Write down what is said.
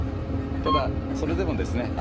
ただそれでもですね